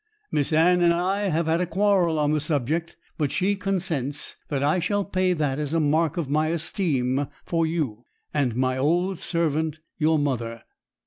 Miss Anne and I have had a quarrel on the subject, but she consents that I shall pay that as a mark of my esteem for you, and my old servant your mother.